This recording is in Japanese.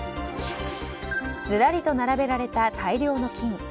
ずらりと並べられた大量の金。